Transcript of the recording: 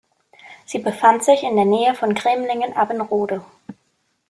Sie befand sich in der Nähe von Cremlingen-Abbenrode.